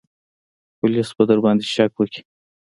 پوليس به درباندې شک وکي.